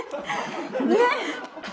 ねっ！